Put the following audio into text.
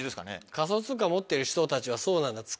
仮想通貨持ってる人たちはそうなんだ。